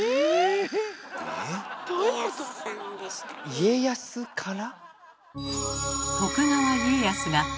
家康から？